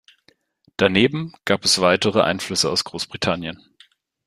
Daneben gab es weitere Einflüsse aus Großbritannien.